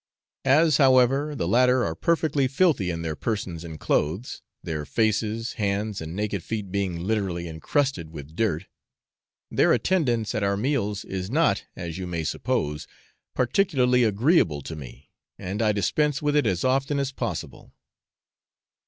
As, however, the latter are perfectly filthy in their persons and clothes their faces, hands, and naked feet being literally encrusted with dirt their attendance at our meals is not, as you may suppose, particularly agreeable to me, and I dispense with it as often as possible.